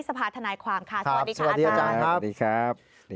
สะพาดทนายความคาสวัสดีค่ะอาจารย์